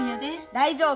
大丈夫。